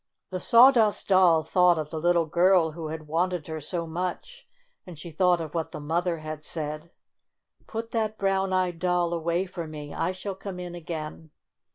The Sawdust Doll thought of the little girl who had wanted her so much, and she thought of what the mother had said : "Put that brown eyed doll away for me. I shall come in again."